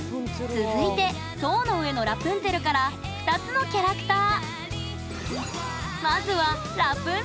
続いて「塔の上のラプンツェル」から２つのキャラクター。